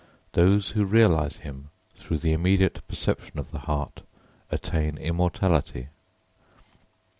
Those who realise him through the immediate perception of the heart attain immortality.